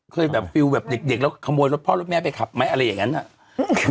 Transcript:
เคยแบบดรมดูเป็นเรื่องหนึ่งแล้วขโมยรถพ่อรถแม่ไปขับไหมอะไรอย่างงั้น